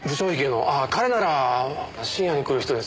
ああ彼なら深夜に来る人ですね。